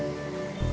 mau ketemu sekarang